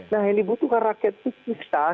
nah ini butuhkan rakyat pijak